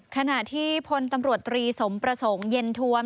ขณะที่พลตำรวจตรีสมประสงค์เย็นทวม